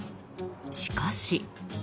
しかし。